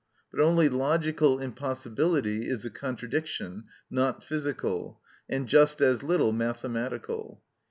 But only logical impossibility is a contradiction, not physical, and just as little mathematical.